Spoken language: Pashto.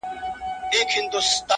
• ړوند افغان دی له لېوانو نه خلاصیږي ,